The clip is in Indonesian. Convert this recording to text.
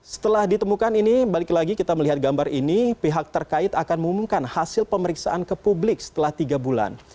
setelah ditemukan ini balik lagi kita melihat gambar ini pihak terkait akan mengumumkan hasil pemeriksaan ke publik setelah tiga bulan